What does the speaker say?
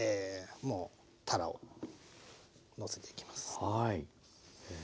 もうたらをのせていきます。